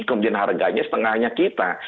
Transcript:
kemudian harganya setengahnya kita